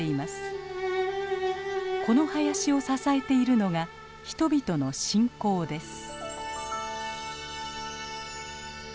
この林を支えているのが人々の信仰です。